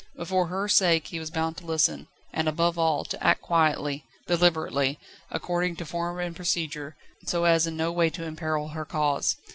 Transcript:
But for her sake he was bound to listen, and, above all, to act quietly, deliberately, according to form and procedure, so as in no way to imperil her cause.